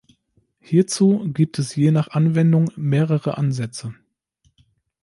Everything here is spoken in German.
Hierzu gibt es je nach Anwendung mehrere Ansätze.